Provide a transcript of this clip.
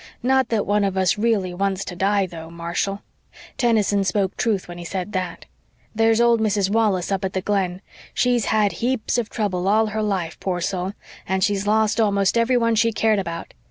Not that one of us really wants to die though, Marshall. Tennyson spoke truth when he said that. There's old Mrs. Wallace up at the Glen. She's had heaps of trouble all her life, poor soul, and she's lost almost everyone she cared about.